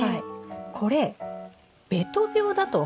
これべと病だと思うんですが。